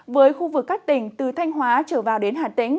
với khu vực các tỉnh từ thanh hóa trở vào đến hà tĩnh